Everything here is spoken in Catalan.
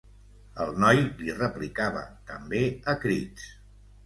El noi li replicava, també a crits.